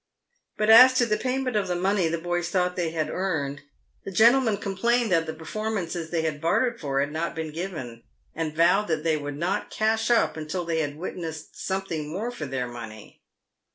But as to the pay ment of the money the boys thought they had earned, the gentlemen complained that the performances they had bartered for had not been given, and vowed they would not " cash up" until they had witnessed something more for their money.